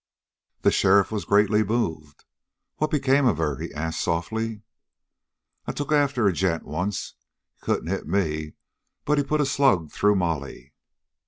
The sheriff was greatly moved. "What became of her?" he asked softly. "I took after a gent once. He couldn't hit me, but he put a slug through Molly."